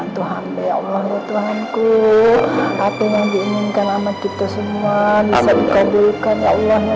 tuhan ya allah ya tuhanku apa yang diinginkan sama kita semua bisa dikabulkan ya